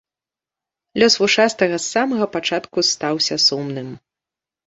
Лёс вушастага з самага пачатку стаўся сумным.